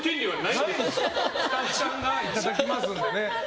スタッフさんがいただきますんで。